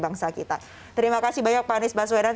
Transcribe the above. bangsa kita terima kasih banyak pak anies baswedan